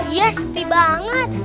iya sepi banget